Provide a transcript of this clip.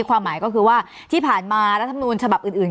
ความหมายก็คือว่าที่ผ่านมารัฐมนูลฉบับอื่น